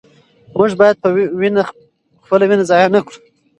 موږ به خپله وینه ضایع نه کړو.